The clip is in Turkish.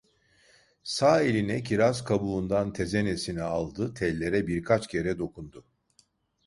Sağ eline kiraz kabuğundan tezenesini aldı, tellere birkaç kere dokundu.